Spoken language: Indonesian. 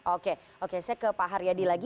oke oke saya ke pak haryadi lagi